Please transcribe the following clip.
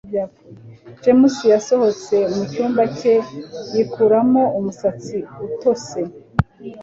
James yasohotse mu cyumba cye, yikuramo umusatsi utose